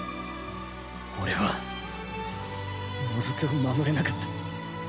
俺はモズクを守れなかった。